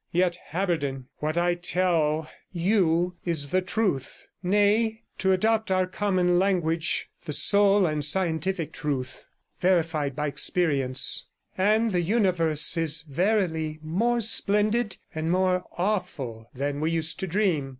Yet, Haberden, what I tell you is the truth, nay, to adopt our common language, the sole and scientific truth, verified by experience; and the universe is verily more splendid and more awful than we used to dream.